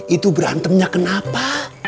itu berantemnya kenapa